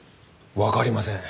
わかりません。